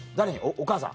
お母さん？